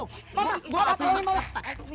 pembang gue apa lagi mau